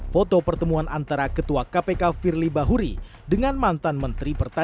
foto pertemuan antara ketua kpk firly bahuri dengan mantan menteri pertanian